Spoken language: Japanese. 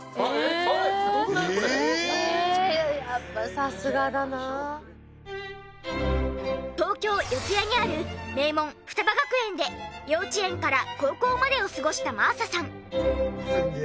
そして東京四谷にある名門雙葉学園で幼稚園から高校までを過ごした真麻さん。